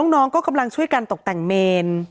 น้องก็กำลังช่วยกันตกแต่งเมน